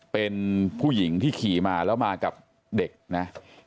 เป็นผู้หญิงที่ขี่มาแล้วมากับเด็กนะ